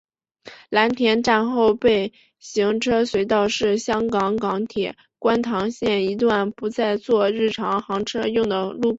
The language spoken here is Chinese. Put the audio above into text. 蓝田站后备行车隧道是香港港铁观塘线一段不再作日常行车用的路轨。